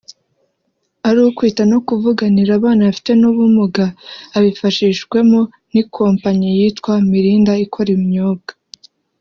ari ukwita no kuvuganira abana bafite n’ubumuga abifashishwemo n’ikompanyi yitwa Mirinda ikora ibinyobwa